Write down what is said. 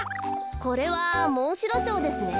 これはモンシロチョウですね。